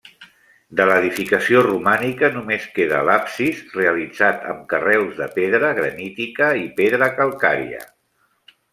De l'edificació romànica només queda l'absis realitzat amb carreus de pedra granítica i pedra calcària.